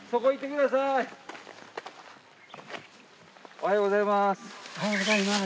おはようございます。